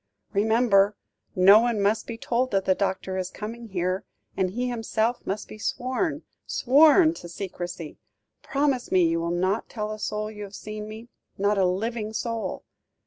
"Remember, no one must be told that the doctor is coming here; and he himself must be sworn sworn to secrecy. Promise me you will not tell a soul you have seen me, not a living soul."